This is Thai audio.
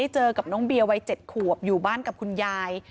เจอกับน้องเบียวัย๗ขวบอยู่บ้านกับคุณยาย